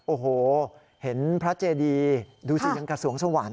โอ้โหเห็นพระเจดีดูสิยังกับสวงสวรรค์